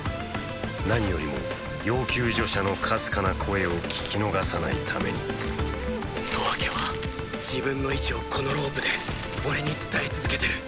なによりも要救助者の微かな声を聞き逃さないために十朱は自分の位置をこのロープで俺に伝え続けてる。